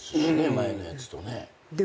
前のやつとね。